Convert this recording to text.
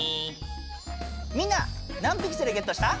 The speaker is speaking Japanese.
みんな何ピクセルゲットした？